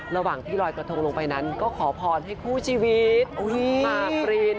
ระหว่างที่ลอยกระทงลงไปนั้นก็ขอพรให้คู่ชีวิตมากริน